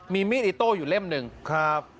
มีมีดอิโต้อยู่เล่มหนึ่งครับ